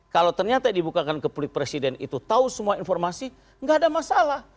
kalau ternyata dibukakan ke publik presiden itu tahu semua informasi nggak ada masalah